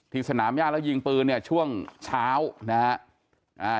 สนามย่าแล้วยิงปืนเนี่ยช่วงเช้านะฮะ